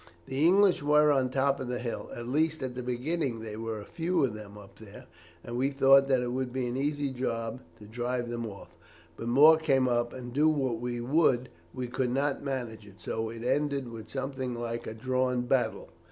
The English were on the top of the hill at least at the beginning there were a few of them up there, and we thought that it would be an easy job to drive them off, but more came up, and do what we would, we could not manage it; so it ended with something like a drawn battle.